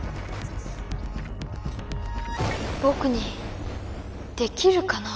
ぼくにできるかな。